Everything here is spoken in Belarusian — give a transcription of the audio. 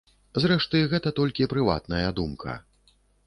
Зрэшты, гэта толькі прыватная думка.